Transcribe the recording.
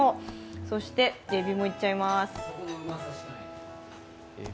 そして、えびもいっちゃいます。